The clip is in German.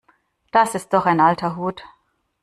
Das ist doch ein alter Hut.